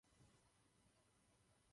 Po pádu Francie přešel do Velké Británie.